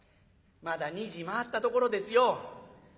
「まだ２時回ったところですよ」。